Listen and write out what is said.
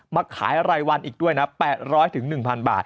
มาขายรายวันอีกด้วยนะ๘๐๐๑๐๐บาท